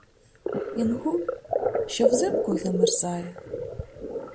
Інгул, що взимку замерзає?